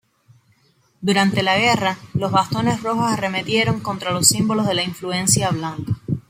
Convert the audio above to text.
Durante la guerra, los bastones rojos arremetieron contra los símbolos de la influencia blanca.